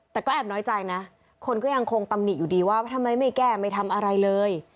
แต่ก็แอบน้อยใจนะคนก็ยังคงตำหนิอยู่ดีว่าทำไมไม่แก้ไม่ทำอะไรเลย